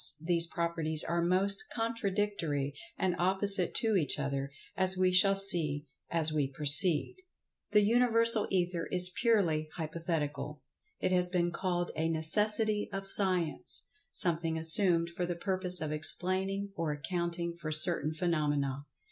these properties are most contradictory and opposite to each other, as we shall see as we proceed. This Universal Ether is purely hypothetical. It has been called a "necessity of Science"—something assumed for the purpose of explaining or accounting for certain phenomena.